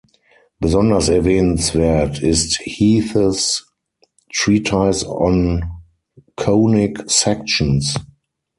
Besonders erwähnenswert ist Heaths „Treatise on Conic Sections“.